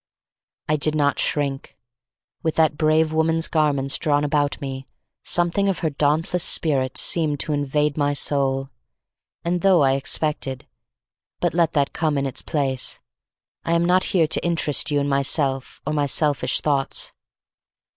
I did not shrink. With that brave woman's garments drawn about me, something of her dauntless spirit seemed to invade my soul, and though I expected But let that come in its place, I am not here to interest you in myself or my selfish thoughts.